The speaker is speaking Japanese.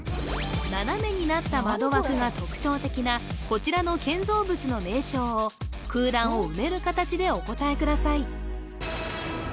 斜めになった窓枠が特徴的なこちらの建造物の名称を空欄を埋める形でお答えください